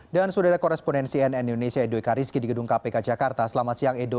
sudah ada korespondensi nn indonesia edo ekariski di gedung kpk jakarta selamat siang edo